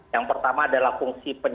yang pertama adalah fungsi